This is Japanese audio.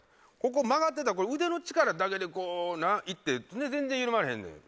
ここ曲がってたら腕の力だけでこうないって全然緩まらへんねん。